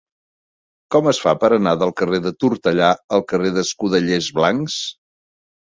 Com es fa per anar del carrer de Tortellà al carrer d'Escudellers Blancs?